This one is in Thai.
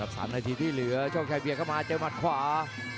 ๓นาทีที่เหลือโชคชัยเบียดเข้ามาเจอหมัดขวา